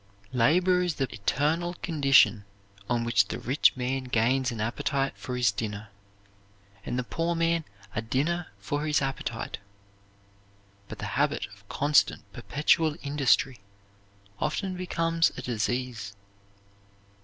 Labor is the eternal condition on which the rich man gains an appetite for his dinner, and the poor man a dinner for his appetite; but the habit of constant, perpetual industry often becomes a disease.